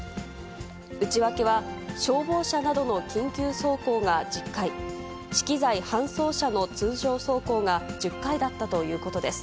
内訳は消防車などの緊急走行が１０回、資機材搬送車の通常走行が１０回だったということです。